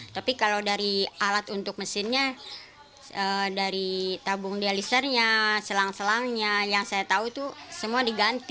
tapi kalau dari alat untuk mesinnya dari tabung dialisernya selang selangnya yang saya tahu itu semua diganti